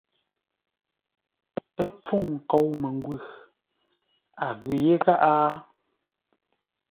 Ə́ mpfúŋ nkou məngwʉ̂, a ghʉ yé gháʼá ?